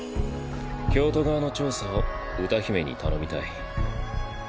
京都側の調査を歌姫に頼みたい。